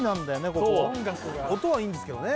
ここ・音はいいんですけどね・